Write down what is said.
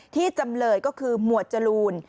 จำเลยก็คือหมวดจรูน